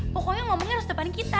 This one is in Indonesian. pokoknya ngomongnya harus depan kita